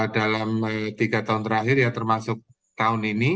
dalam tiga tahun terakhir ya termasuk tahun ini